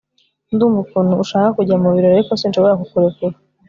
Ndumva ukuntu ushaka kujya mubirori ariko sinshobora kukurekura